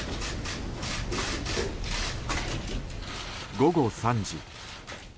午後３時。